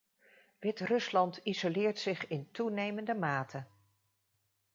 Wit-Rusland isoleert zich in toenemende mate.